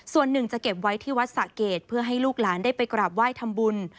ส่วนหนึ่งจะเก็บไว้ที่วัดสะเกดเพื่อให้ลูกหลานได้ไปกราบไหว้ทำบุญ